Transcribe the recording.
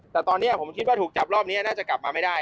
แต่ตอนนี้ผมคิดว่าถูกจับรอบนี้น่าจะกลับมาไม่ได้